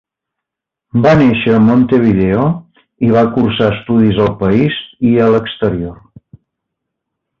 Va néixer a Montevideo, i va cursar estudis al país i a l'exterior.